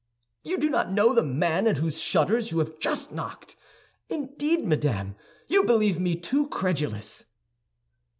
"You do not know the man at whose shutter you have just knocked? Indeed, madame, you believe me too credulous!"